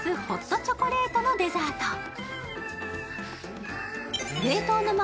ホットチョコレートのデザート。